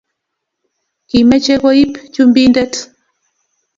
kimeche koib chumbindet